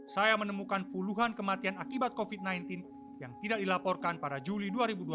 saya menemukan puluhan kematian akibat covid sembilan belas yang tidak dilaporkan pada juli dua ribu dua puluh